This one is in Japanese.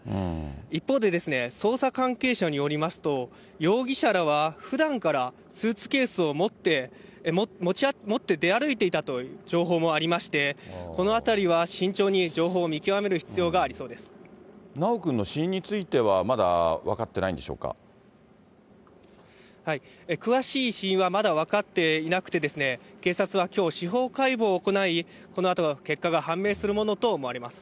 一方で捜査関係者によりますと、容疑者らはふだんからスーツケースを持って出歩いていたという情報もありまして、このあたりは慎重に情報を見極める必要がありそ修くんの死因については、ま詳しい死因はまだ分かっていなくて、警察はきょう、司法解剖を行い、このあと結果が判明するものと思われます。